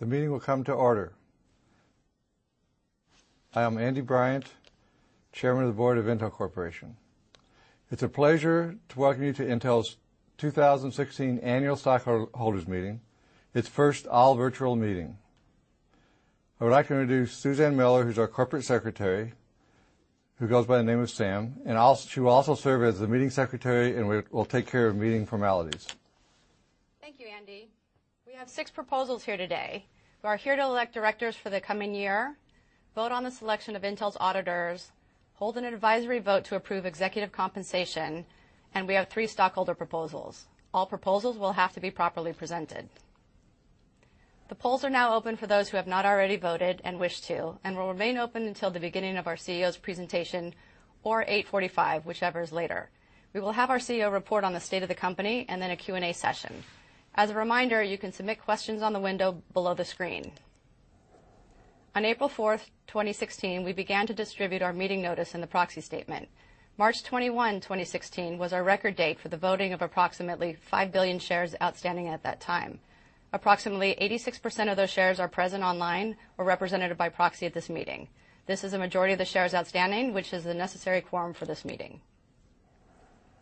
The meeting will come to order. I am Andy Bryant, Chairman of the Board of Intel Corporation. It is a pleasure to welcome you to Intel's 2016 annual stockholder meeting, its first all virtual meeting. I would like to introduce Suzan Miller, who is our Corporate Secretary, who goes by the name of Sam, she will also serve as the Meeting Secretary and will take care of meeting formalities. Thank you, Andy. We have six proposals here today. We are here to elect directors for the coming year, vote on the selection of Intel's auditors, hold an advisory vote to approve executive compensation, and we have three stockholder proposals. All proposals will have to be properly presented. The polls are now open for those who have not already voted and wish to, and will remain open until the beginning of our CEO's presentation or 8:45 A.M., whichever is later. We will have our CEO report on the state of the company and then a Q&A session. As a reminder, you can submit questions on the window below the screen. On April 4th, 2016, we began to distribute our meeting notice in the proxy statement. March 21, 2016 was our record date for the voting of approximately 5 billion shares outstanding at that time. Approximately 86% of those shares are present online or represented by proxy at this meeting. This is a majority of the shares outstanding, which is the necessary quorum for this meeting.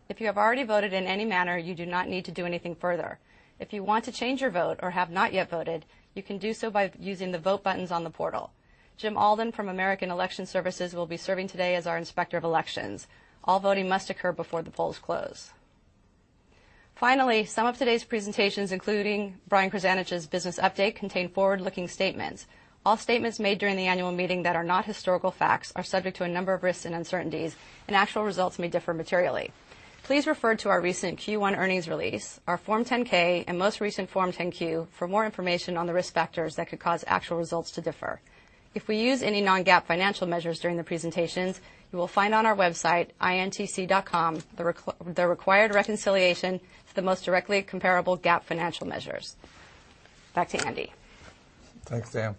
If you have already voted in any manner, you do not need to do anything further. If you want to change your vote or have not yet voted, you can do so by using the vote buttons on the portal. Jim Alden from American Election Services will be serving today as our Inspector of Elections. All voting must occur before the polls close. Finally, some of today's presentations, including Brian Krzanich's business update, contain forward-looking statements. All statements made during the annual meeting that are not historical facts are subject to a number of risks and uncertainties, and actual results may differ materially. Please refer to our recent Q1 earnings release, our Form 10-K, and most recent Form 10-Q for more information on the risk factors that could cause actual results to differ. If we use any non-GAAP financial measures during the presentations, you will find on our website, intc.com, the required reconciliation to the most directly comparable GAAP financial measures. Back to Andy. Thanks, Sam.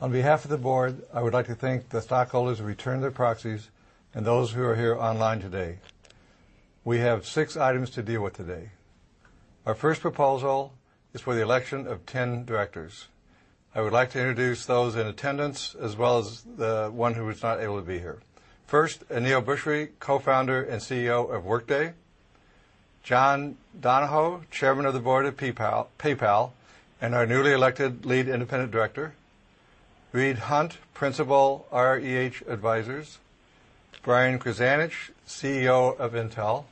On behalf of the board, I would like to thank the stockholders who returned their proxies and those who are here online today. We have six items to deal with today. Our first proposal is for the election of 10 directors. I would like to introduce those in attendance as well as the one who was not able to be here. First, Aneel Bhusri, Co-Founder and CEO of Workday. John Donahoe, Chairman of the Board of PayPal, and our newly elected Lead Independent Director. Reed Hundt, Principal, REH Advisors. Brian Krzanich, CEO of Intel.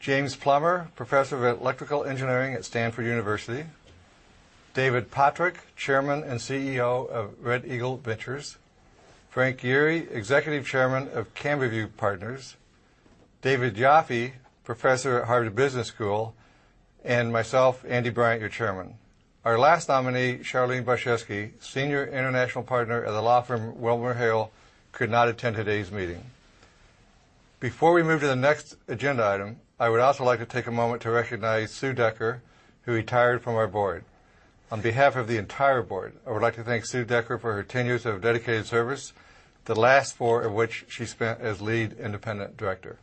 James Plummer, Professor of Electrical Engineering at Stanford University. David Pottruck, Chairman and CEO of Red Eagle Ventures. Frank Yeary, Executive Chairman of CamberView Partners. David Yoffie, Professor at Harvard Business School, and myself, Andy Bryant, your chairman. Our last nominee, Charlene Barshefsky, Senior International Partner at the law firm WilmerHale, could not attend today's meeting. Before we move to the next agenda item, I would also like to take a moment to recognize Sue Decker, who retired from our board. On behalf of the entire board, I would like to thank Sue Decker for her 10 years of dedicated service, the last four of which she spent as Lead Independent Director.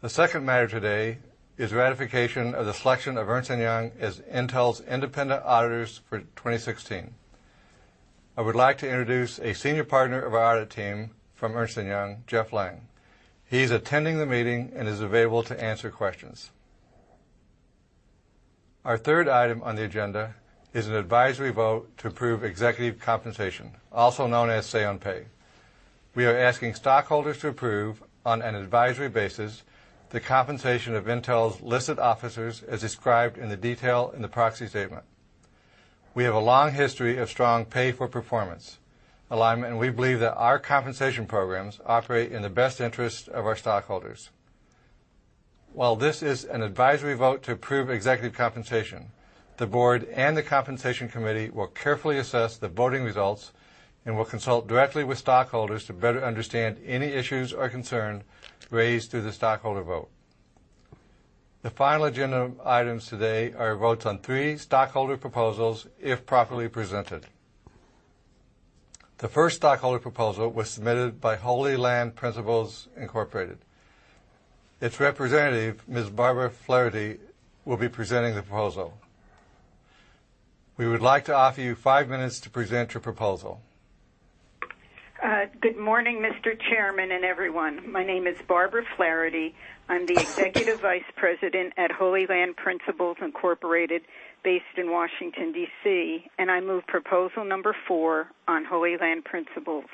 The second matter today is ratification of the selection of Ernst & Young as Intel's independent auditors for 2016. I would like to introduce a senior partner of our audit team from Ernst & Young, Jeff Lang. He's attending the meeting and is available to answer questions. Our third item on the agenda is an advisory vote to approve executive compensation, also known as say on pay. We are asking stockholders to approve on an advisory basis the compensation of Intel's listed officers as described in the detail in the proxy statement. We have a long history of strong pay for performance alignment, and we believe that our compensation programs operate in the best interest of our stockholders. While this is an advisory vote to approve executive compensation, the Board and the Compensation Committee will carefully assess the voting results and will consult directly with stockholders to better understand any issues or concern raised through the stockholder vote. The final agenda items today are votes on three stockholder proposals if properly presented. The first stockholder proposal was submitted by Holy Land Principles, Inc. Its representative, Ms. Barbara Flaherty, will be presenting the proposal. We would like to offer you five minutes to present your proposal. Good morning, Mr. Chairman, and everyone. My name is Barbara Flaherty. I'm the Executive Vice President at Holy Land Principles, Inc., based in Washington, D.C., and I move proposal number four on Holy Land Principles.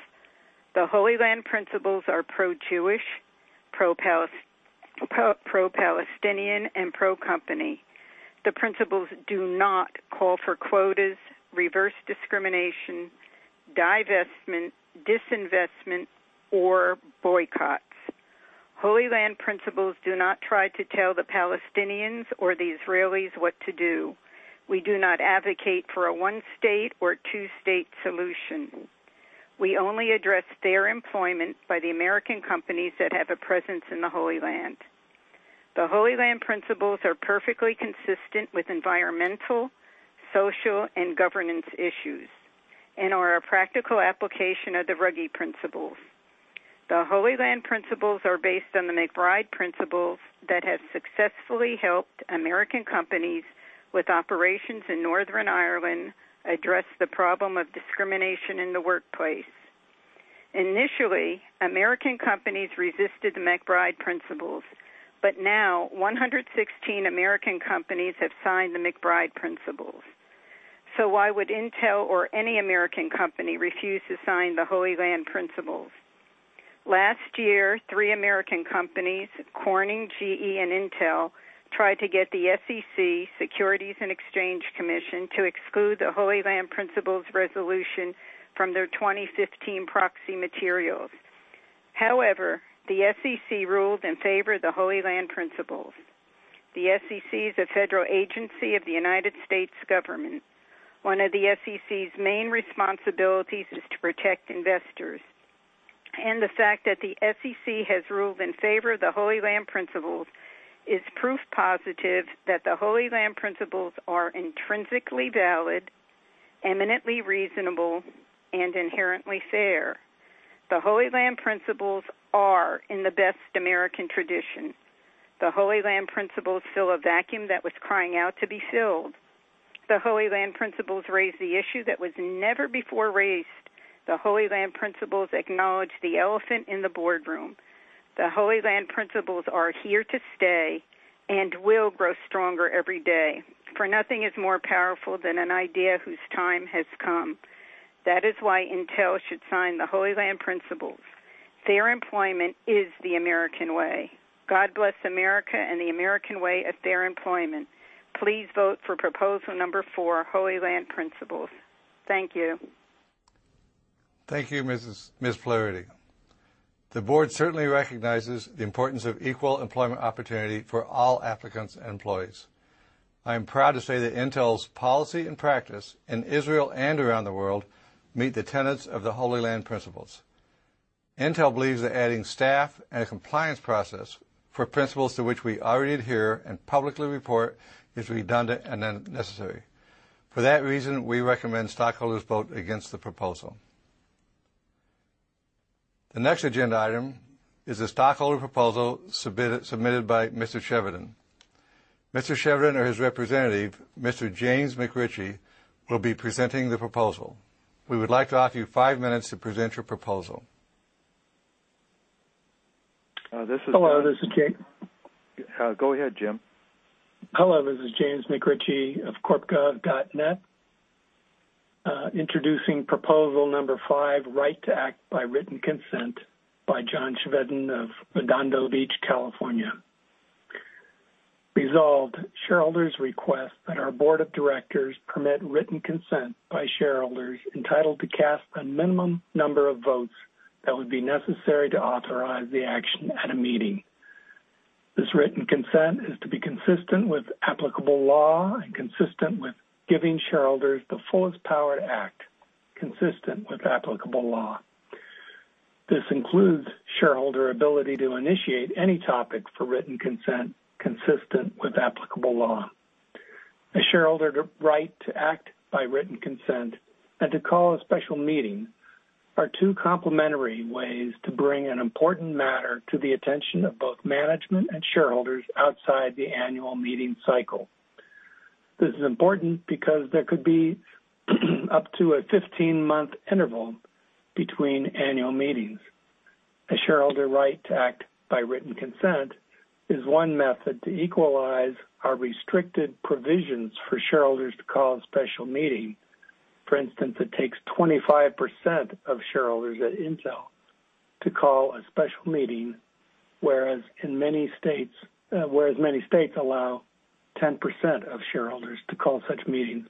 The Holy Land Principles are pro-Jewish, pro-Palestinian, and pro-company. The principles do not call for quotas, reverse discrimination, divestment, disinvestment, or boycotts. Holy Land Principles do not try to tell the Palestinians or the Israelis what to do. We do not advocate for a one-state or two-state solution. We only address fair employment by the American companies that have a presence in the Holy Land. The Holy Land Principles are perfectly consistent with environmental, social, and governance issues and are a practical application of the Ruggie Principles. The Holy Land Principles are based on the MacBride Principles that have successfully helped American companies with operations in Northern Ireland address the problem of discrimination in the workplace. Initially, American companies resisted the MacBride Principles, now 116 American companies have signed the MacBride Principles. Why would Intel or any American company refuse to sign the Holy Land Principles? Last year, three American companies, Corning, GE, and Intel, tried to get the SEC, Securities and Exchange Commission, to exclude the Holy Land Principles resolution from their 2015 proxy materials. However, the SEC ruled in favor of the Holy Land Principles. The SEC is a federal agency of the United States government. One of the SEC's main responsibilities is to protect investors. The fact that the SEC has ruled in favor of the Holy Land Principles is proof positive that the Holy Land Principles are intrinsically valid, eminently reasonable, and inherently fair. The Holy Land Principles are in the best American tradition. The Holy Land Principles fill a vacuum that was crying out to be filled. The Holy Land Principles raise the issue that was never before raised. The Holy Land Principles acknowledge the elephant in the boardroom. The Holy Land Principles are here to stay and will grow stronger every day, for nothing is more powerful than an idea whose time has come. That is why Intel should sign the Holy Land Principles. Fair employment is the American way. God bless America and the American way of fair employment. Please vote for proposal number four, Holy Land Principles. Thank you. Thank you, Ms. Flaherty. The board certainly recognizes the importance of equal employment opportunity for all applicants and employees. I am proud to say that Intel's policy and practice in Israel and around the world meet the tenets of the Holy Land Principles. Intel believes that adding staff and a compliance process for principles to which we already adhere and publicly report is redundant and unnecessary. For that reason, we recommend stockholders vote against the proposal. The next agenda item is a stockholder proposal submitted by Mr. Chevedden. Mr. Chevedden or his representative, Mr. James McRitchie, will be presenting the proposal. We would like to offer you five minutes to present your proposal. Hello, this is James. Go ahead, Jim. Hello, this is James McRitchie of CorpGov.net, introducing proposal number five, right to act by written consent by John Chevedden of Redondo Beach, California. Resolved, shareholders request that our board of directors permit written consent by shareholders entitled to cast a minimum number of votes that would be necessary to authorize the action at a meeting. This written consent is to be consistent with applicable law and consistent with giving shareholders the fullest power to act, consistent with applicable law. This includes shareholder ability to initiate any topic for written consent, consistent with applicable law. A shareholder to right to act by written consent and to call a special meeting are two complementary ways to bring an important matter to the attention of both management and shareholders outside the annual meeting cycle. This is important because there could be up to a 15-month interval between annual meetings. A shareholder right to act by written consent is one method to equalize our restricted provisions for shareholders to call a special meeting. For instance, it takes 25% of shareholders at Intel to call a special meeting, whereas in many states, whereas many states allow 10% of shareholders to call such meetings.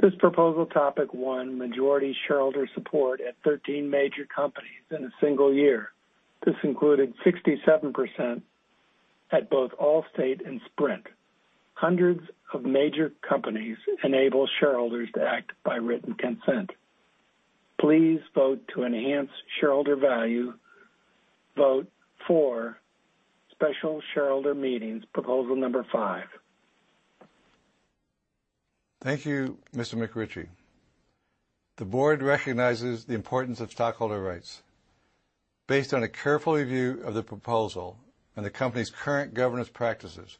This proposal topic won majority shareholder support at 13 major companies in a single year. This included 67% at both Allstate and Sprint. Hundreds of major companies enable shareholders to act by written consent. Please vote to enhance shareholder value. Vote for special shareholder meetings, proposal number five. Thank you, Mr. McRitchie. The board recognizes the importance of stockholder rights. Based on a careful review of the proposal and the company's current governance practices,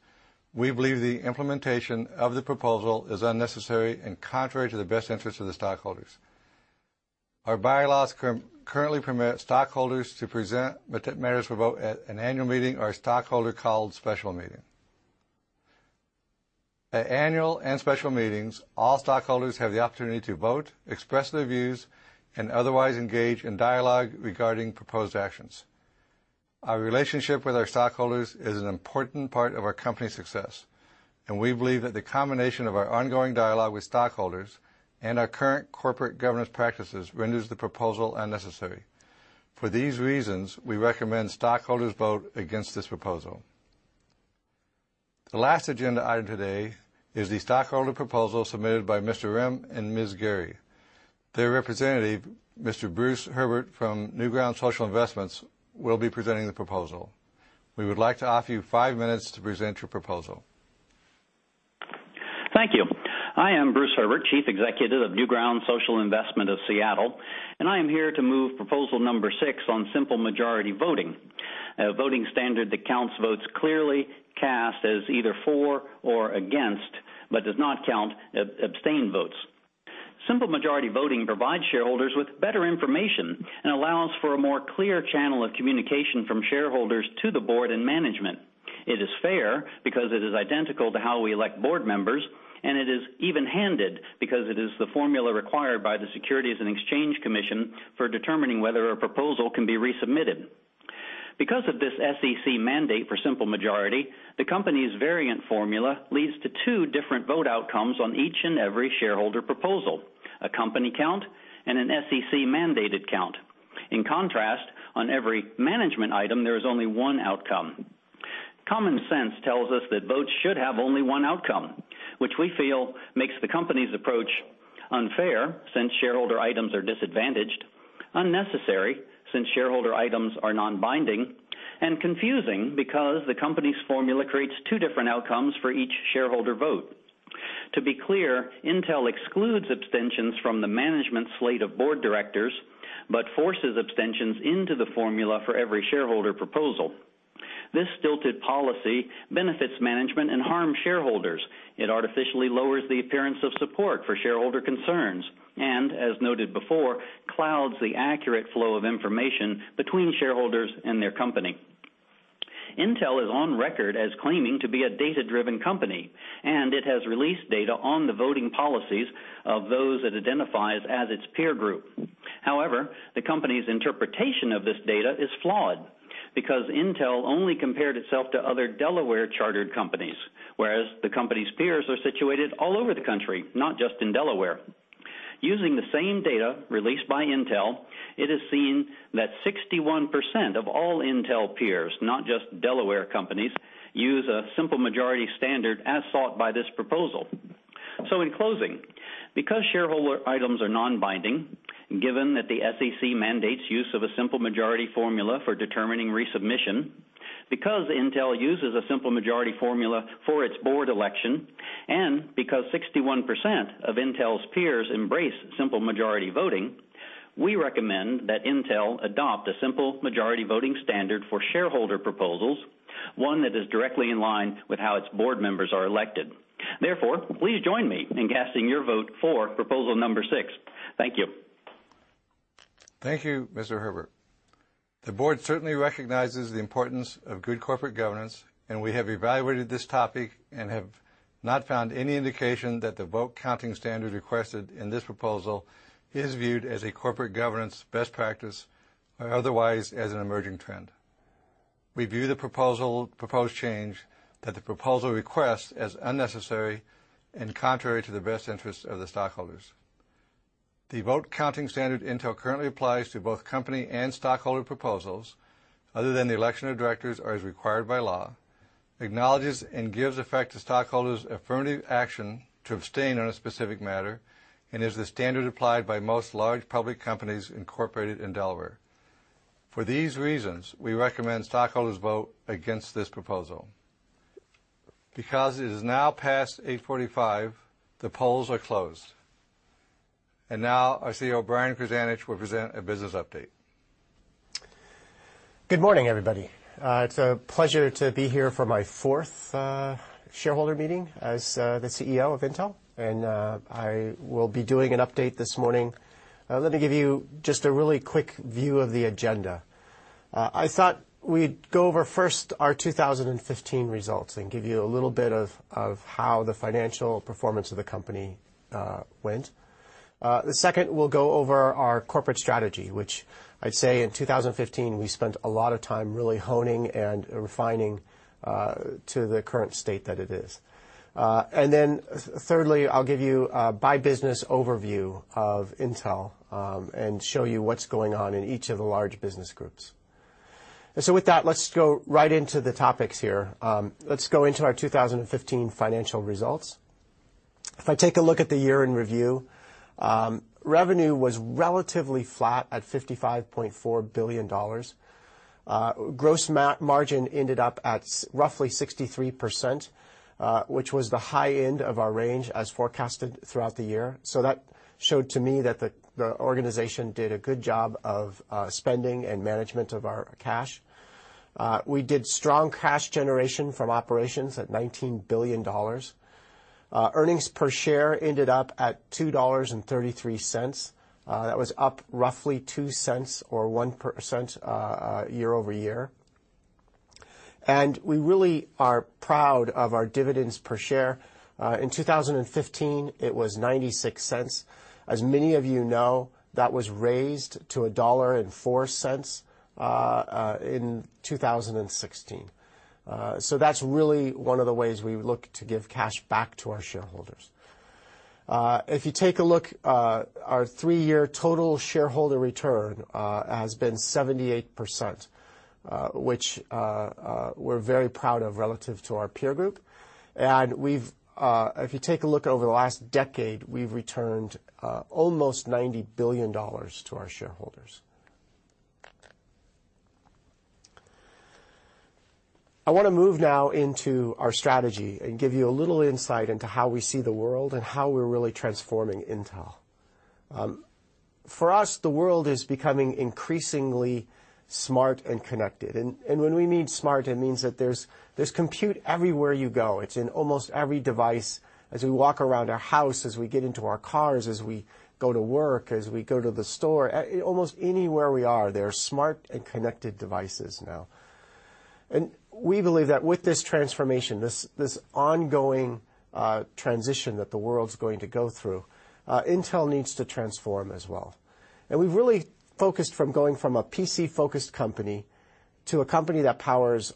we believe the implementation of the proposal is unnecessary and contrary to the best interest of the stockholders. Our bylaws currently permit stockholders to present matters for vote at an annual meeting or a stockholder-called special meeting. At annual and special meetings, all stockholders have the opportunity to vote, express their views, and otherwise engage in dialogue regarding proposed actions. Our relationship with our stockholders is an important part of our company's success, and we believe that the combination of our ongoing dialogue with stockholders and our current corporate governance practices renders the proposal unnecessary. For these reasons, we recommend stockholders vote against this proposal. The last agenda item today is the stockholder proposal submitted by Mr. Rimm and Ms. Gary. Their representative, Mr. Bruce Herbert from Newground Social Investment, will be presenting the proposal. We would like to offer you five minutes to present your proposal. Thank you. I am Bruce Herbert, Chief Executive of Newground Social Investment of Seattle, and I am here to move proposal number six on simple majority voting, a voting standard that counts votes clearly cast as either for or against, but does not count abstain votes. Simple majority voting provides shareholders with better information and allows for a more clear channel of communication from shareholders to the board and management. It is fair because it is identical to how we elect board members, and it is even-handed because it is the formula required by the Securities and Exchange Commission for determining whether a proposal can be resubmitted. Because of this SEC mandate for simple majority, the company's variant formula leads to two different vote outcomes on each and every shareholder proposal, a company count and an SEC-mandated count. In contrast, on every management item, there is only one outcome. Common sense tells us that votes should have only one outcome, which we feel makes the company's approach unfair, since shareholder items are disadvantaged, unnecessary, since shareholder items are non-binding, and confusing because the company's formula creates two different outcomes for each shareholder vote. To be clear, Intel excludes abstentions from the management slate of board directors but forces abstentions into the formula for every shareholder proposal. This stilted policy benefits management and harms shareholders. It artificially lowers the appearance of support for shareholder concerns and, as noted before, clouds the accurate flow of information between shareholders and their company. Intel is on record as claiming to be a data-driven company, and it has released data on the voting policies of those it identifies as its peer group. However, the company's interpretation of this data is flawed because Intel only compared itself to other Delaware-chartered companies, whereas the company's peers are situated all over the country, not just in Delaware. Using the same data released by Intel, it is seen that 61% of all Intel peers, not just Delaware companies, use a simple majority standard as sought by this proposal. In closing, because shareholder items are non-binding, given that the SEC mandates use of a simple majority formula for determining resubmission, because Intel uses a simple majority formula for its board election, and because 61% of Intel's peers embrace simple majority voting, we recommend that Intel adopt a simple majority voting standard for shareholder proposals, one that is directly in line with how its board members are elected. Please join me in casting your vote for proposal number six. Thank you. Thank you, Mr. Herbert. The board certainly recognizes the importance of good corporate governance. We have evaluated this topic and have not found any indication that the vote counting standard requested in this proposal is viewed as a corporate governance best practice or otherwise as an emerging trend. We view the proposed change that the proposal requests as unnecessary and contrary to the best interest of the stockholders. The vote counting standard Intel currently applies to both company and stockholder proposals, other than the election of directors or as required by law, acknowledges and gives effect to stockholders' affirmative action to abstain on a specific matter and is the standard applied by most large public companies incorporated in Delaware. For these reasons, we recommend stockholders vote against this proposal. Because it is now past 8:45 A.M., the polls are closed. Now our CEO, Brian Krzanich, will present a business update. Good morning, everybody. It's a pleasure to be here for my fourth shareholder meeting as the CEO of Intel. I will be doing an update this morning. Let me give you just a really quick view of the agenda. I thought we'd go over first our 2015 results and give you a little bit of how the financial performance of the company went. Second, we'll go over our corporate strategy, which I'd say in 2015 we spent a lot of time really honing and refining to the current state that it is. Thirdly, I'll give you a by business overview of Intel and show you what's going on in each of the large business groups. With that, let's go right into the topics here. Let's go into our 2015 financial results. I take a look at the year in review, revenue was relatively flat at $55.4 billion. Gross margin ended up at roughly 63%, which was the high end of our range as forecasted throughout the year. That showed to me that the organization did a good job of spending and management of our cash. We did strong cash generation from operations at $19 billion. Earnings per share ended up at $2.33. That was up roughly $0.02 or 1% year-over-year. We really are proud of our dividends per share. In 2015, it was $0.96. As many of you know, that was raised to $1.04 in 2016. That's really one of the ways we look to give cash back to our shareholders. If you take a look, our three-year total shareholder return has been 78%, which we're very proud of relative to our peer group. We've, if you take a look over the last decade, we've returned almost $90 billion to our shareholders. I want to move now into our strategy and give you a little insight into how we see the world and how we're really transforming Intel. For us, the world is becoming increasingly smart and connected, and when we mean smart, it means that there's compute everywhere you go. It's in almost every device. As we walk around our house, as we get into our cars, as we go to work, as we go to the store, almost anywhere we are, there are smart and connected devices now. We believe that with this transformation, this ongoing transition that the world's going to go through, Intel needs to transform as well. We've really focused from going from a PC-focused company to a company that powers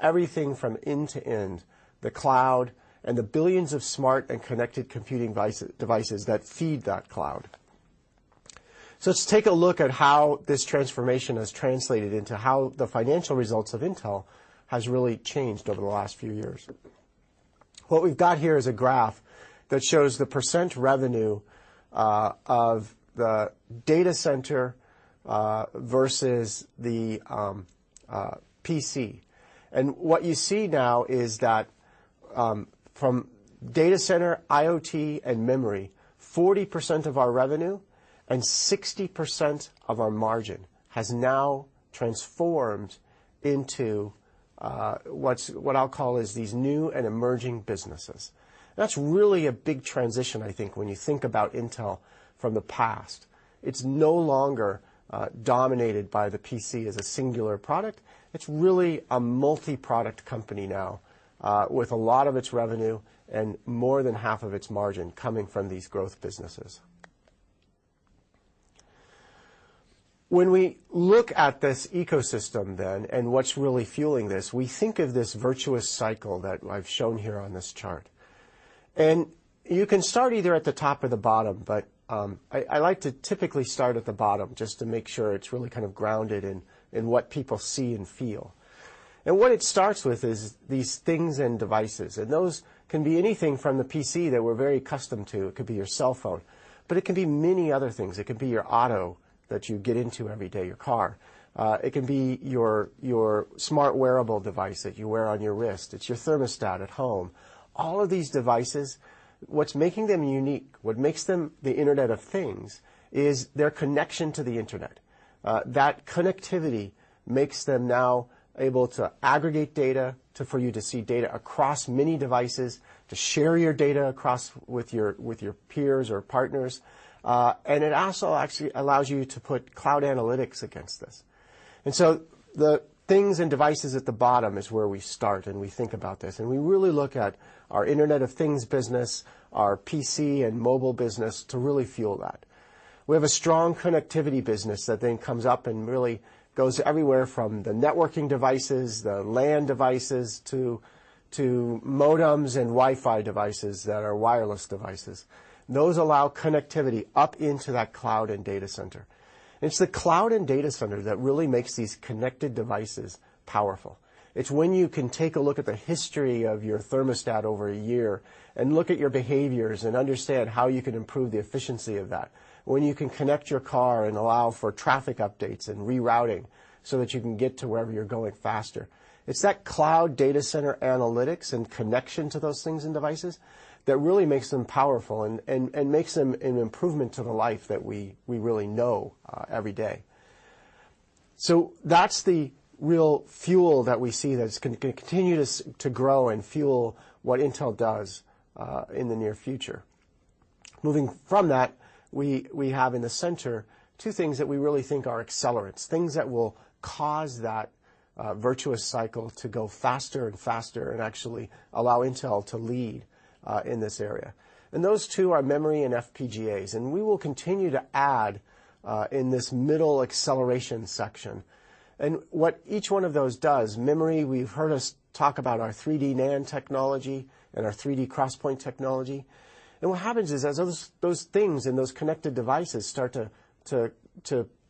everything from end to end, the cloud, and the billions of smart and connected computing devices that feed that cloud. Let's take a look at how this transformation has translated into how the financial results of Intel has really changed over the last few years. What we've got here is a graph that shows the percent revenue of the data center versus the PC. What you see now is that, from data center, IoT, and memory, 40% of our revenue and 60% of our margin has now transformed into what I'll call is these new and emerging businesses. That's really a big transition, I think, when you think about Intel from the past. It's no longer dominated by the PC as a singular product. It's really a multiproduct company now, with a lot of its revenue and more than half of its margin coming from these growth businesses. When we look at this ecosystem then and what's really fueling this, we think of this virtuous cycle that I've shown here on this chart. You can start either at the top or the bottom, but I like to typically start at the bottom just to make sure it's really kind of grounded in what people see and feel. What it starts with is these things and devices, and those can be anything from the PC that we're very accustomed to. It could be your cell phone. It can be many other things. It could be your auto that you get into every day, your car. It can be your smart wearable device that you wear on your wrist. It's your thermostat at home. All of these devices, what's making them unique, what makes them the Internet of Things, is their connection to the internet. That connectivity makes them now able to aggregate data for you to see data across many devices, to share your data with your peers or partners, it also actually allows you to put cloud analytics against this. The things and devices at the bottom is where we start, and we think about this, and we really look at our Internet of Things business, our PC and mobile business to really fuel that. We have a strong connectivity business that then comes up and really goes everywhere from the networking devices, the LAN devices to modems and Wi-Fi devices that are wireless devices. Those allow connectivity up into that cloud and data center. It's the cloud and data center that really makes these connected devices powerful. It's when you can take a look at the history of your thermostat over a year and look at your behaviors and understand how you can improve the efficiency of that, when you can connect your car and allow for traffic updates and rerouting so that you can get to wherever you're going faster. It's that cloud data center analytics and connection to those things and devices that really makes them powerful and makes them an improvement to the life that we really know every day. That's the real fuel that we see that's gonna continue to grow and fuel what Intel does in the near future. Moving from that, we have in the center two things that we really think are accelerants, things that will cause that virtuous cycle to go faster and faster and actually allow Intel to lead in this area. Those two are memory and FPGAs, and we will continue to add in this middle acceleration section. What each one of those does, memory, we've heard us talk about our 3D NAND technology and our 3D XPoint technology. What happens is as those things and those connected devices start to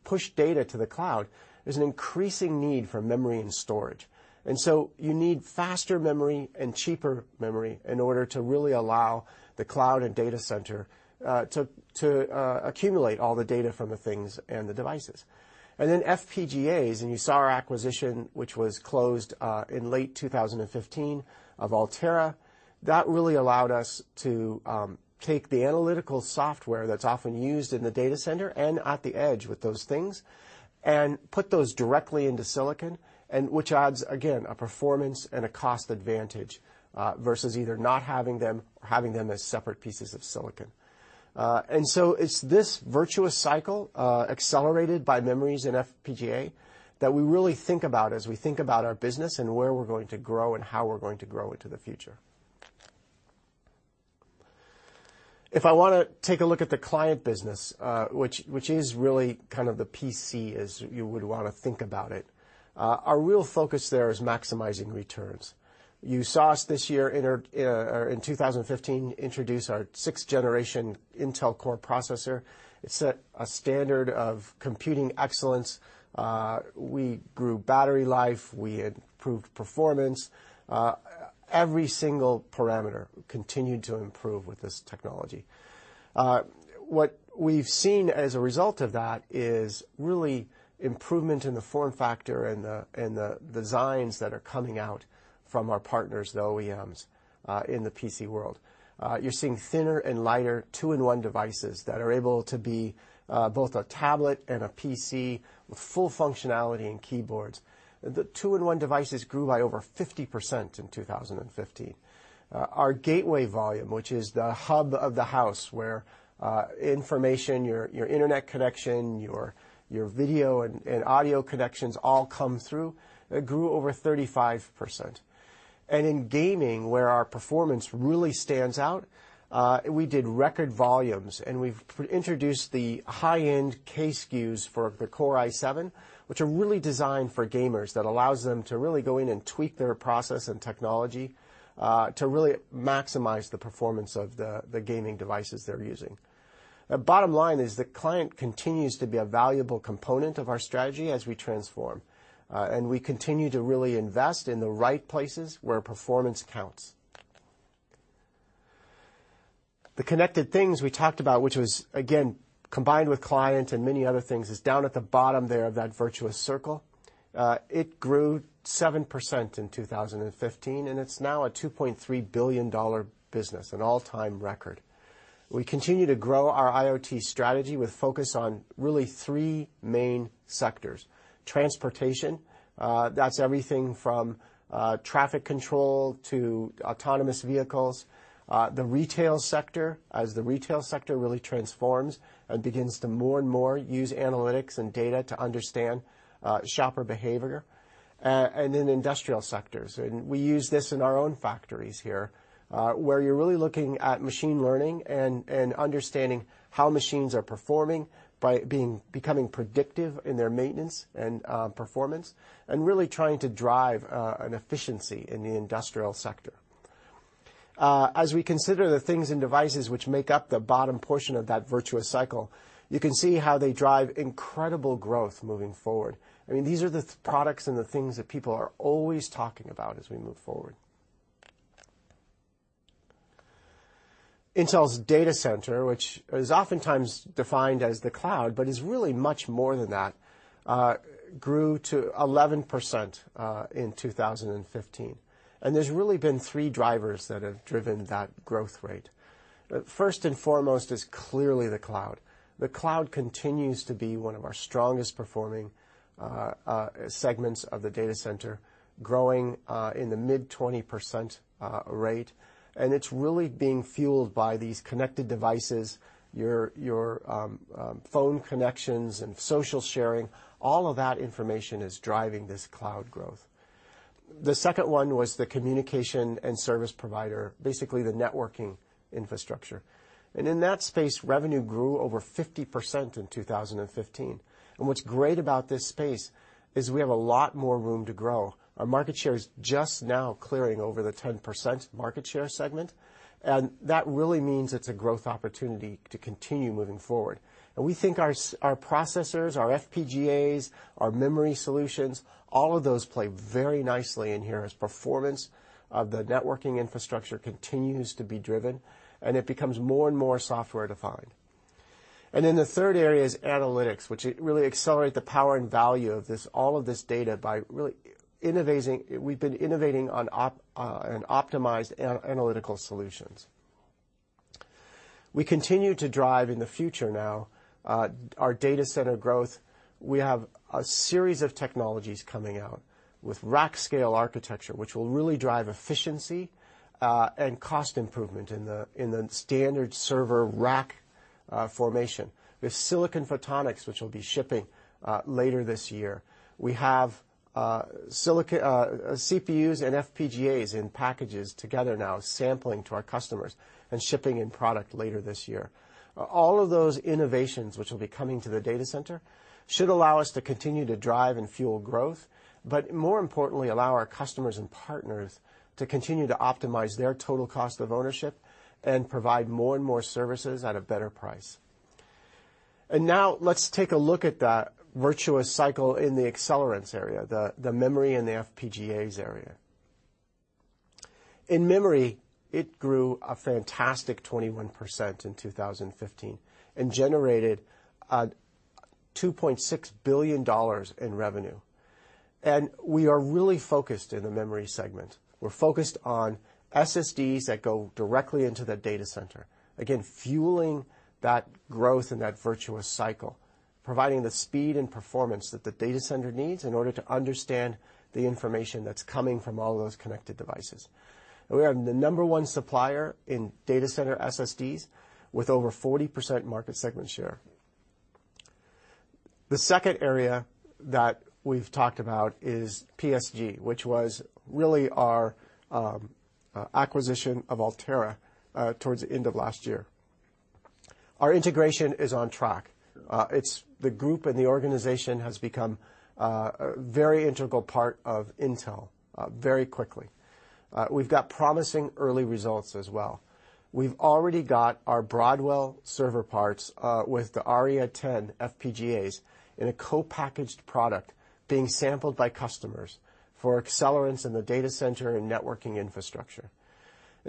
push data to the cloud, there's an increasing need for memory and storage. You need faster memory and cheaper memory in order to really allow the cloud and data center to accumulate all the data from the things and the devices. FPGAs, and you saw our acquisition, which was closed in late 2015, of Altera. That really allowed us to take the analytical software that's often used in the data center and at the edge with those things and put those directly into silicon and which adds, again, a performance and a cost advantage versus either not having them or having them as separate pieces of silicon. It's this virtuous cycle accelerated by memories in FPGA that we really think about as we think about our business and where we're going to grow and how we're going to grow into the future. If I wanna take a look at the client business, which is really kind of the PC as you would wanna think about it, our real focus there is maximizing returns. You saw us this year in 2015 introduce our 6th-generation Intel Core processor. It set a standard of computing excellence. We grew battery life. We improved performance. Every single parameter continued to improve with this technology. What we've seen as a result of that is really improvement in the form factor and the designs that are coming out from our partners, the OEMs, in the PC world. You're seeing thinner and lighter 2-in-1 devices that are able to be both a tablet and a PC with full functionality and keyboards. The 2-in-1 devices grew by over 50% in 2015. Our gateway volume, which is the hub of the house where information, your internet connection, your video and audio connections all come through, it grew over 35%. In gaming, where our performance really stands out, we did record volumes, and we've introduced the high-end K SKUs for the Core i7, which are really designed for gamers that allows them to really go in and tweak their process and technology to really maximize the performance of the gaming devices they're using. The bottom line is the client continues to be a valuable component of our strategy as we transform, and we continue to really invest in the right places where performance counts. The connected things we talked about, which was, again, combined with client and many other things, is down at the bottom there of that virtuous circle. It grew 7% in 2015, and it's now a $2.3 billion business, an all-time record. We continue to grow our IoT strategy with focus on really three main sectors. Transportation, that's everything from traffic control to autonomous vehicles. The retail sector, as the retail sector really transforms and begins to more and more use analytics and data to understand shopper behavior. Industrial sectors, and we use this in our own factories here, where you're really looking at machine learning and understanding how machines are performing becoming predictive in their maintenance and performance, and really trying to drive an efficiency in the industrial sector. As we consider the things and devices which make up the bottom portion of that virtuous cycle, you can see how they drive incredible growth moving forward. I mean, these are the products and the things that people are always talking about as we move forward. Intel's data center, which is oftentimes defined as the cloud, but is really much more than that, grew to 11% in 2015, and there's really been three drivers that have driven that growth rate. First and foremost is clearly the cloud. The cloud continues to be one of our strongest performing segments of the data center, growing in the mid-20% rate, and it's really being fueled by these connected devices, your phone connections and social sharing. All of that information is driving this cloud growth. The second one was the communication and service provider, basically the networking infrastructure. In that space, revenue grew over 50% in 2015. What's great about this space is we have a lot more room to grow. Our market share is just now clearing over the 10% market share segment, that really means it's a growth opportunity to continue moving forward. We think our processors, our FPGAs, our memory solutions, all of those play very nicely in here as performance of the networking infrastructure continues to be driven, and it becomes more and more software-defined. The third area is analytics, which it really accelerate the power and value of this, all of this data by really innovating on optimized analytical solutions. We continue to drive in the future now, our data center growth. We have a series of technologies coming out with Rack Scale Architecture, which will really drive efficiency and cost improvement in the, in the standard server rack formation. There's silicon photonics, which will be shipping later this year. We have CPUs and FPGAs in packages together now sampling to our customers and shipping in product later this year. All of those innovations which will be coming to the data center should allow us to continue to drive and fuel growth, but more importantly, allow our customers and partners to continue to optimize their total cost of ownership and provide more and more services at a better price. Now let's take a look at that virtuous cycle in the accelerants area, the memory and the FPGAs area. In memory, it grew a fantastic 21% in 2015 and generated $2.6 billion in revenue, and we are really focused in the memory segment. We're focused on SSDs that go directly into the data center, again, fueling that growth and that virtuous cycle, providing the speed and performance that the data center needs in order to understand the information that's coming from all those connected devices. We are the number one supplier in data center SSDs with over 40% market segment share. The second area that we've talked about is PSG, which was really our acquisition of Altera towards the end of last year. Our integration is on track. The group and the organization has become a very integral part of Intel very quickly. We've got promising early results as well. We've already got our Broadwell server parts with the Arria 10 FPGAs in a co-packaged product being sampled by customers for accelerants in the data center and networking infrastructure.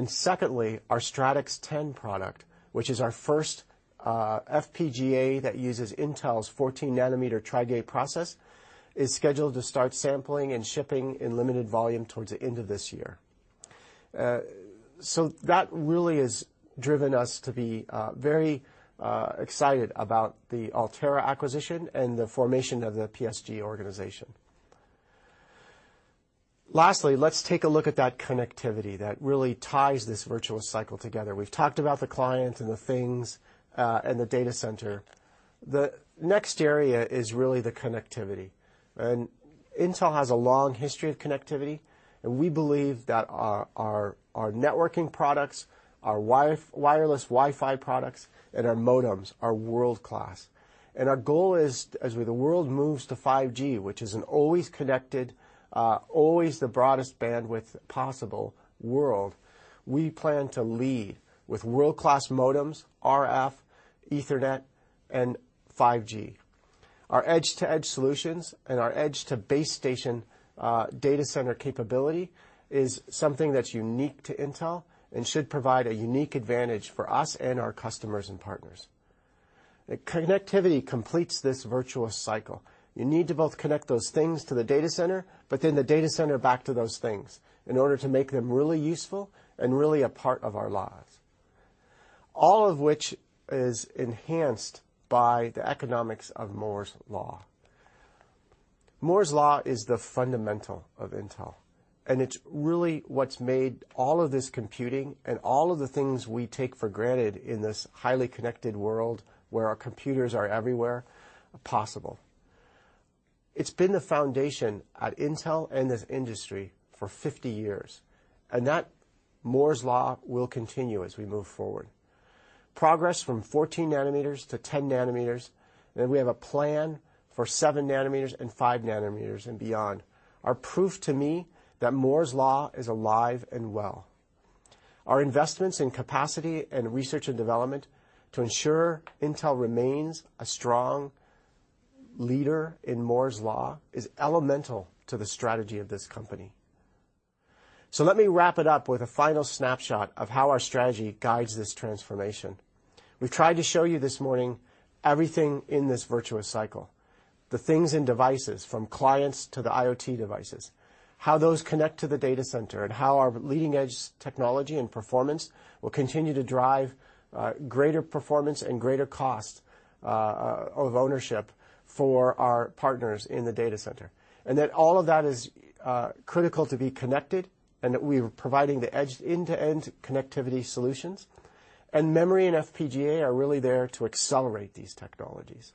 Secondly, our Stratix 10 product, which is our first FPGA that uses Intel's 14-nm Tri-gate process, is scheduled to start sampling and shipping in limited volume towards the end of this year. That really has driven us to be very excited about the Altera acquisition and the formation of the PSG organization. Lastly, let's take a look at that connectivity that really ties this virtuous cycle together. We've talked about the client and the things and the data center. The next area is really the connectivity, and Intel has a long history of connectivity, and we believe that our networking products, our wireless Wi-Fi products, and our modems are world-class. Our goal is as the world moves to 5G, which is an always connected, always the broadest bandwidth possible world, we plan to lead with world-class modems, RF, Ethernet, and 5G. Our edge-to-edge solutions and our edge to base station, data center capability is something that's unique to Intel and should provide a unique advantage for us and our customers and partners. Connectivity completes this virtuous cycle. You need to both connect those things to the data center, the data center back to those things in order to make them really useful and really a part of our lives. All of which is enhanced by the economics of Moore's Law. Moore's Law is the fundamental of Intel, and it's really what's made all of this computing and all of the things we take for granted in this highly connected world where our computers are everywhere possible. It's been the foundation at Intel and this industry for 50 years, and that Moore's Law will continue as we move forward. Progress from 14 nm to 10 nm, then we have a plan for 7 nm and 5 nm and beyond, are proof to me that Moore's Law is alive and well. Our investments in capacity and research and development to ensure Intel remains a strong leader in Moore's Law is elemental to the strategy of this company. Let me wrap it up with a final snapshot of how our strategy guides this transformation. We've tried to show you this morning everything in this virtuous cycle, the things in devices from clients to the IoT devices, how those connect to the data center, and how our leading-edge technology and performance will continue to drive greater performance and greater cost of ownership for our partners in the data center. That all of that is critical to be connected and that we're providing the edge end-to-end connectivity solutions. Memory and FPGA are really there to accelerate these technologies.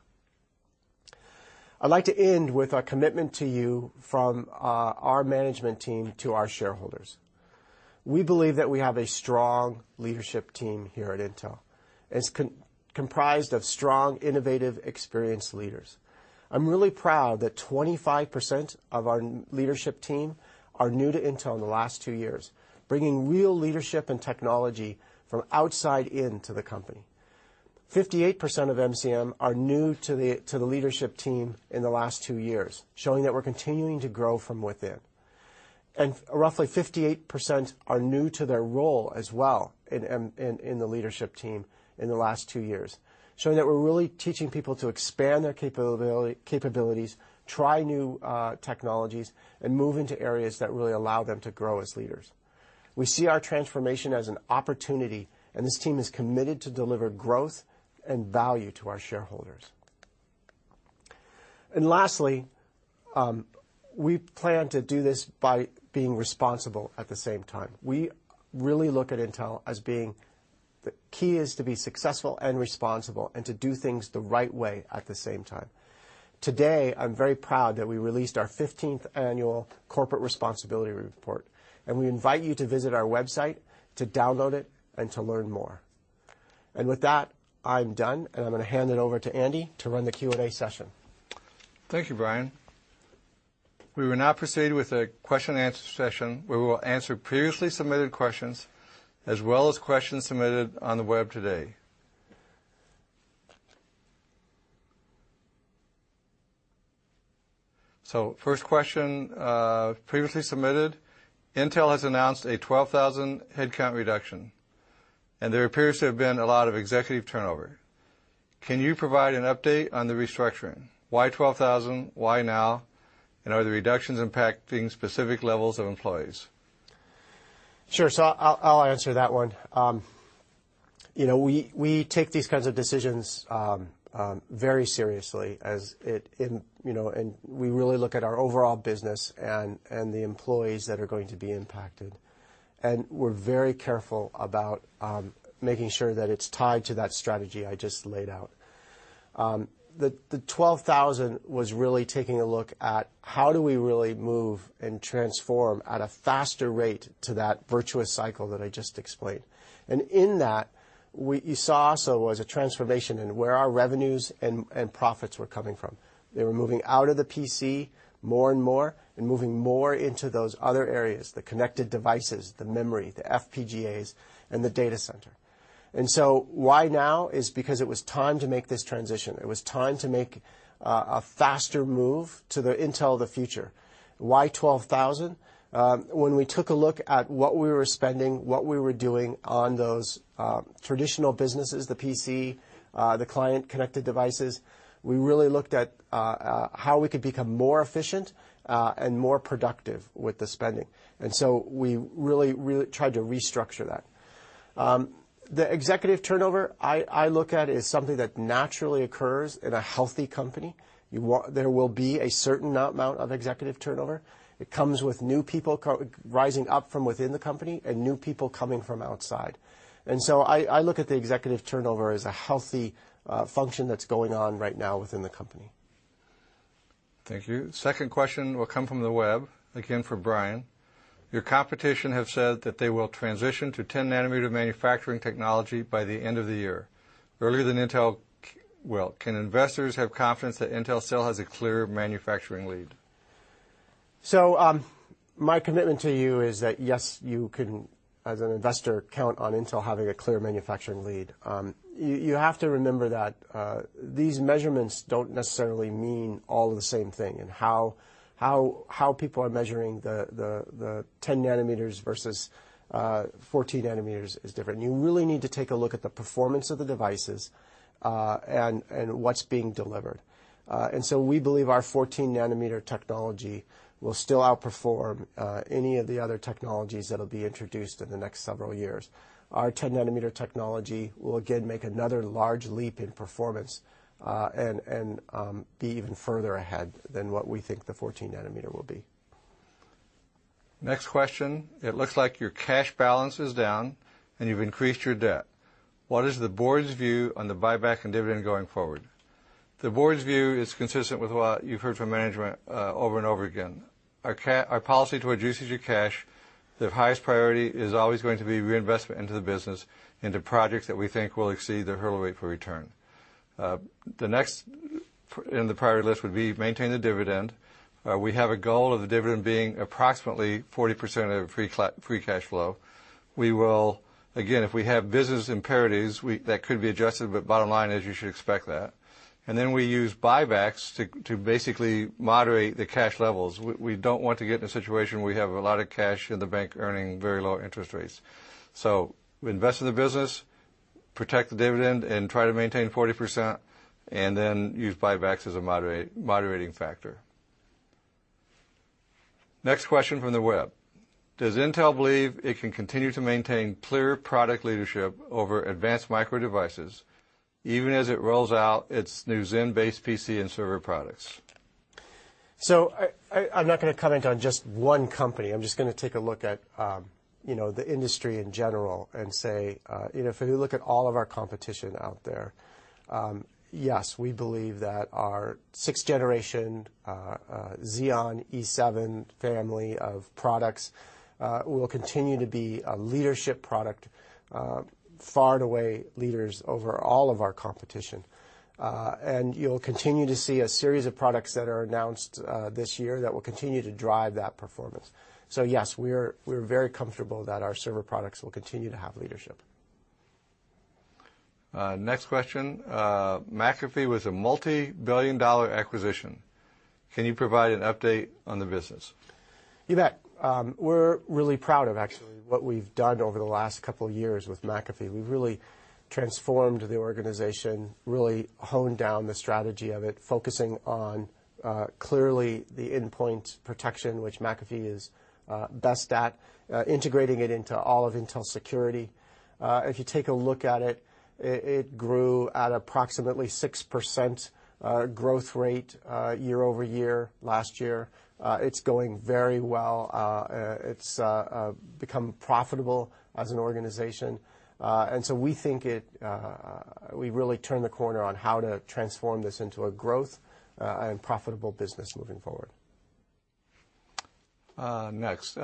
I'd like to end with a commitment to you from our management team to our shareholders. We believe that we have a strong leadership team here at Intel. It's comprised of strong, innovative, experienced leaders. I'm really proud that 25% of our leadership team are new to Intel in the last two years, bringing real leadership and technology from outside in to the company. 58% of MCM are new to the leadership team in the last two years, showing that we're continuing to grow from within. Roughly 58% are new to their role as well in the leadership team in the last two years, showing that we're really teaching people to expand their capabilities, try new technologies, and move into areas that really allow them to grow as leaders. We see our transformation as an opportunity, and this team is committed to deliver growth and value to our shareholders. Lastly, we plan to do this by being responsible at the same time. We really look at Intel as being the key is to be successful and responsible and to do things the right way at the same time. Today, I'm very proud that we released our 15th annual corporate responsibility report, and we invite you to visit our website to download it and to learn more. With that, I'm done, and I'm gonna hand it over to Andy to run the Q&A session. Thank you, Brian. We will now proceed with a question and answer session where we will answer previously submitted questions as well as questions submitted on the web today. First question, previously submitted, Intel has announced a 12,000 headcount reduction, and there appears to have been a lot of executive turnover. Can you provide an update on the restructuring? Why 12,000? Why now? Are the reductions impacting specific levels of employees? Sure. I'll answer that one. You know, we take these kinds of decisions very seriously as it, you know, we really look at our overall business and the employees that are going to be impacted. We're very careful about making sure that it's tied to that strategy I just laid out. The 12,000 was really taking a look at how do we really move and transform at a faster rate to that virtuous cycle that I just explained. In that you saw also was a transformation in where our revenues and profits were coming from. They were moving out of the PC more and more, and moving more into those other areas, the connected devices, the memory, the FPGAs, and the data center. Why now is because it was time to make this transition. It was time to make a faster move to the Intel of the future. Why 12,000? When we took a look at what we were spending, what we were doing on those traditional businesses, the PC, the client-connected devices, we really looked at how we could become more efficient and more productive with the spending. We really tried to restructure that. The executive turnover, I look at as something that naturally occurs in a healthy company. There will be a certain amount of executive turnover. It comes with new people rising up from within the company and new people coming from outside. I look at the executive turnover as a healthy function that's going on right now within the company. Thank you. Second question will come from the web, again for Brian. Your competition have said that they will transition to 10-nm manufacturing technology by the end of the year, earlier than Intel will. Can investors have confidence that Intel still has a clear manufacturing lead? My commitment to you is that, yes, you can, as an investor, count on Intel having a clear manufacturing lead. You have to remember that these measurements don't necessarily mean all of the same thing, and how people are measuring the 10 nm versus 14 nm is different. You really need to take a look at the performance of the devices, and what's being delivered. We believe our 14-nm technology will still outperform any of the other technologies that'll be introduced in the next several years. Our 10-nm technology will again make another large leap in performance, and be even further ahead than what we think the 14 nm will be. Next question, it looks like your cash balance is down, and you've increased your debt. What is the board's view on the buyback and dividend going forward? The board's view is consistent with what you've heard from management, over and over again. Our policy to reduce your cash, the highest priority is always going to be reinvestment into the business, into projects that we think will exceed the hurdle rate for return. The next in the priority list would be maintain the dividend. We have a goal of the dividend being approximately 40% of free cash flow. We will, again, if we have business imperatives, that could be adjusted, but bottom line is you should expect that. Then we use buybacks to basically moderate the cash levels. We don't want to get in a situation where we have a lot of cash in the bank earning very low interest rates. Invest in the business, protect the dividend, and try to maintain 40%, and then use buybacks as a moderate-moderating factor. Next question from the web. Does Intel believe it can continue to maintain clear product leadership over Advanced Micro Devices even as it rolls out its new Zen-based PC and server products? I'm not gonna comment on just one company. I'm just gonna take a look at, you know, the industry in general and say, you know, if you look at all of our competition out there, yes, we believe that our 6th-generation Xeon E7 family of products will continue to be a leadership product, far and away leaders over all of our competition. You'll continue to see a series of products that are announced this year that will continue to drive that performance. Yes, we're very comfortable that our server products will continue to have leadership. Next question. McAfee was a multi-billion dollar acquisition. Can you provide an update on the business? You bet. We're really proud of actually what we've done over the last couple years with McAfee. We've really transformed the organization, really honed down the strategy of it, focusing on clearly the endpoint protection, which McAfee is best at, integrating it into all of Intel Security. If you take a look at it grew at approximately 6% growth rate year-over-year last year. It's going very well. It's become profitable as an organization. We think it, we really turned the corner on how to transform this into a growth and profitable business moving forward. Next.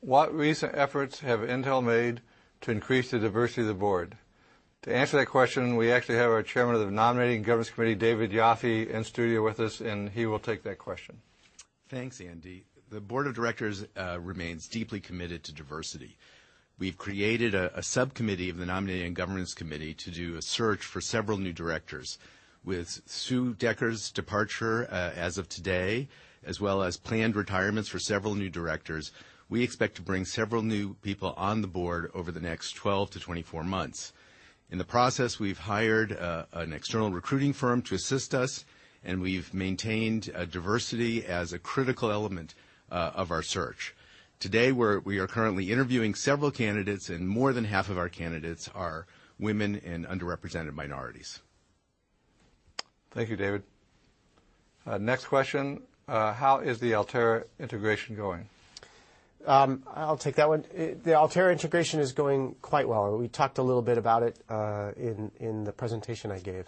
What recent efforts have Intel made to increase the diversity of the board? To answer that question, we actually have our Chairman of the Nominating and Governance Committee, David Yoffie, in studio with us, and he will take that question. Thanks, Andy. The board of directors remains deeply committed to diversity. We've created a subcommittee of the Nominating and Governance Committee to do a search for several new directors. With Sue Decker's departure, as of today, as well as planned retirements for several new directors, we expect to bring several new people on the board over the next 12-24 months. In the process, we've hired an external recruiting firm to assist us, and we've maintained diversity as a critical element of our search. Today, we are currently interviewing several candidates, and more than half of our candidates are women and underrepresented minorities. Thank you, David. Next question. How is the Altera integration going? I'll take that one. The Altera integration is going quite well. We talked a little bit about it in the presentation I gave.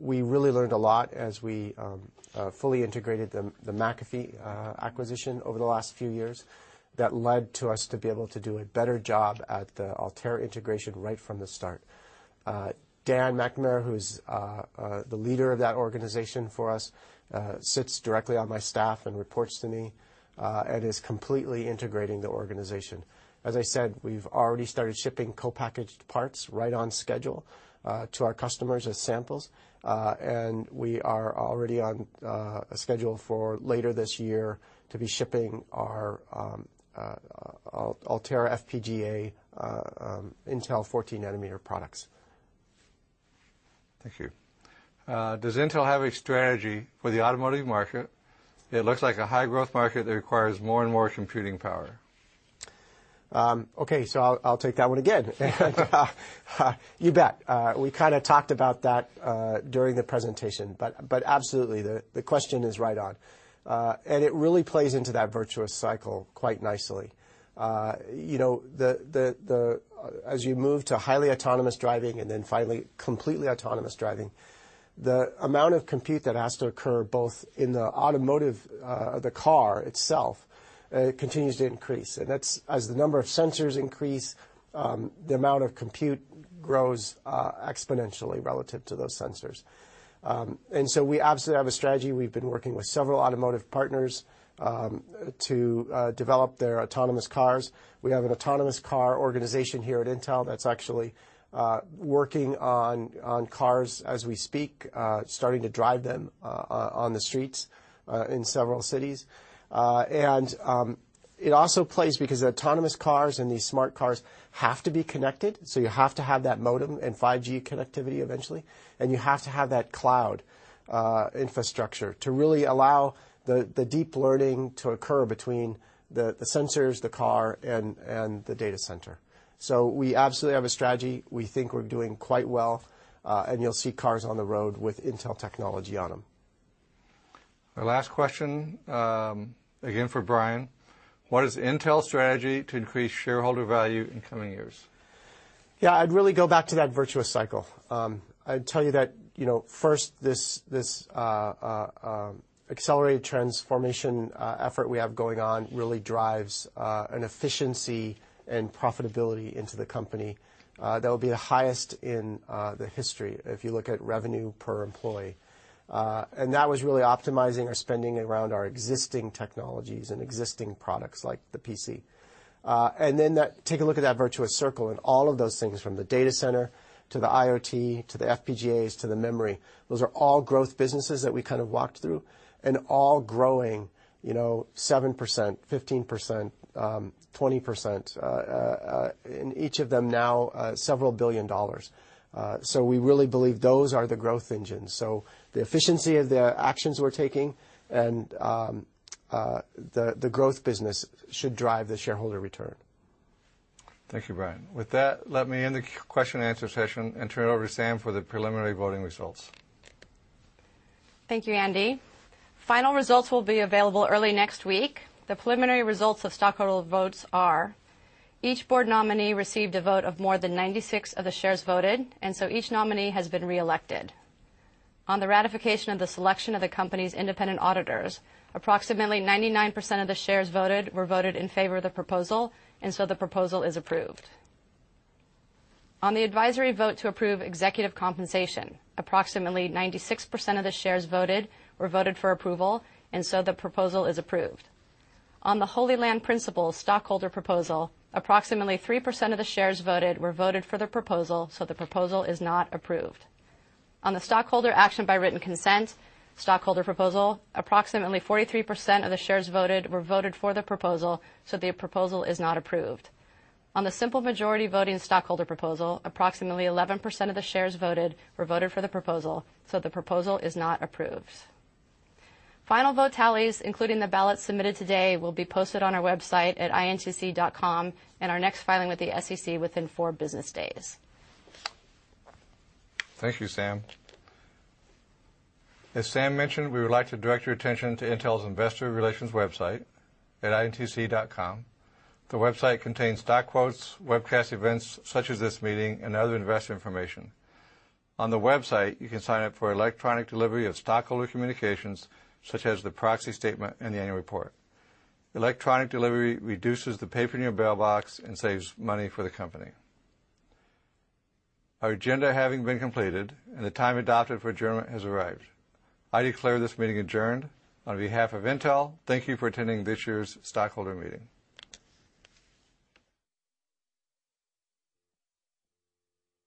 We really learned a lot as we fully integrated the McAfee acquisition over the last few years. That led to us to be able to do a better job at the Altera integration right from the start. Dan McNamara, who's the leader of that organization for us, sits directly on my staff and reports to me and is completely integrating the organization. As I said, we've already started shipping co-packaged parts right on schedule to our customers as samples. We are already on a schedule for later this year to be shipping our Altera FPGA Intel 14 nm products. Thank you. Does Intel have a strategy for the automotive market? It looks like a high-growth market that requires more and more computing power. Okay, I'll take that one again. You bet. We kind of talked about that during the presentation, absolutely, the question is right on. It really plays into that virtuous cycle quite nicely. You know, as you move to highly autonomous driving, and then finally completely autonomous driving, the amount of compute that has to occur both in the automotive, the car itself, continues to increase. That's as the number of sensors increase, the amount of compute grows exponentially relative to those sensors. We absolutely have a strategy. We've been working with several automotive partners to develop their autonomous cars. We have an autonomous car organization here at Intel that's actually working on cars as we speak, starting to drive them on the streets in several cities. It also plays because autonomous cars and these smart cars have to be connected, you have to have that modem and 5G connectivity eventually, and you have to have that cloud infrastructure to really allow the deep learning to occur between the sensors, the car, and the data center. We absolutely have a strategy. We think we're doing quite well, you'll see cars on the road with Intel technology on them. Our last question, again for Brian. What is Intel's strategy to increase shareholder value in coming years? I'd really go back to that virtuous cycle. I'd tell you that, you know, first, this accelerated transformation effort we have going on really drives an efficiency and profitability into the company. That would be the highest in the history if you look at revenue per employee. That was really optimizing our spending around our existing technologies and existing products like the PC. Take a look at that virtuous circle, and all of those things from the data center to the IoT to the FPGAs to the memory, those are all growth businesses that we kind of walked through, and all growing, you know, 7%, 15%, 20%, and each of them now, several billion dollars. We really believe those are the growth engines. The efficiency of the actions we're taking and the growth business should drive the shareholder return. Thank you, Brian. With that, let me end the question and answer session and turn it over to Sam for the preliminary voting results. Thank you, Andy. Final results will be available early next week. The preliminary results of stockholder votes are: each board nominee received a vote of more than 96 of the shares voted, and so each nominee has been reelected. On the ratification of the selection of the company's independent auditors, approximately 99% of the shares voted were voted in favor of the proposal, and so the proposal is approved. On the advisory vote to approve executive compensation, approximately 96% of the shares voted were voted for approval, and so the proposal is approved. On the Holy Land Principles stockholder proposal, approximately 3% of the shares voted were voted for the proposal, so the proposal is not approved. On the stockholder action by written consent stockholder proposal, approximately 43% of the shares voted were voted for the proposal, so the proposal is not approved. On the simple majority voting stockholder proposal, approximately 11% of the shares voted were voted for the proposal, so the proposal is not approved. Final vote tallies, including the ballots submitted today, will be posted on our website at intc.com and our next filing with the SEC within four business days. Thank you, Sam. As Sam mentioned, we would like to direct your attention to Intel's investor relations website at intc.com. The website contains stock quotes, webcast events such as this meeting, and other investor information. On the website, you can sign up for electronic delivery of stockholder communications such as the proxy statement and the annual report. Electronic delivery reduces the paper in your mailbox and saves money for the company. Our agenda having been completed, and the time adopted for adjournment has arrived. I declare this meeting adjourned. On behalf of Intel, thank you for attending this year's stockholder meeting.